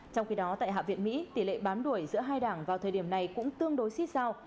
trong khi đó tại hạ viện mỹ tỷ lệ bám đuổi giữa hai đảng vào thời điểm này cũng tương đối xích sao